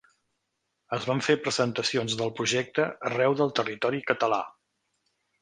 Es van fer presentacions del projecte arreu del territori català.